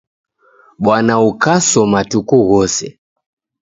Bwana ukaso matuku ghose.